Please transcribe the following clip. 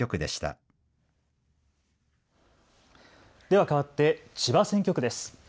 では、かわって千葉選挙区です。